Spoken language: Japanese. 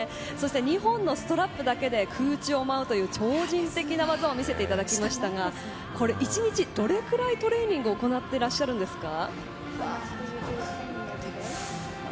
２本のストラップだけで空中を舞うという超人的な技を見せていただきましたが１日にどれぐらいトレーニングを行っているんでしょうか。